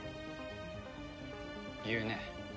言うね。